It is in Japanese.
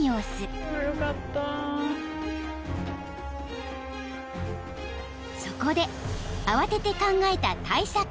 ［そこで慌てて考えた対策が］